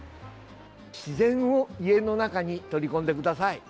自然を家の中に取り込んでください。